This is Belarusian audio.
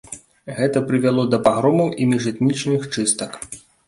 Гэта прывяло да пагромаў і міжэтнічных чыстак.